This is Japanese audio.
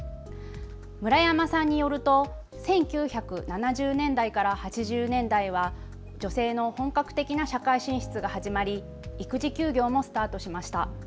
村山さんによると１９７０年代から８０年代は女性の本格的な社会進出が始まり育児休業もスタートしました。